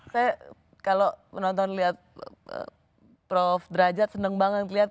saya kalau nonton liat prof drajat seneng banget liat